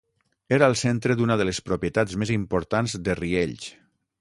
Era el centre d’una de les propietats més importants de Riells.